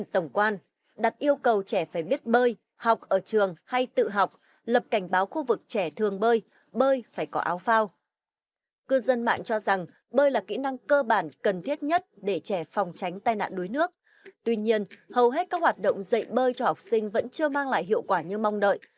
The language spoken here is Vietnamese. tuy nhiên hầu hết các hoạt động dạy bơi cho học sinh vẫn chưa mang lại hiệu quả như mong đợi